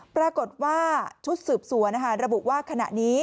ปรากฏว่าชุดสืบสวนระบุว่าขณะนี้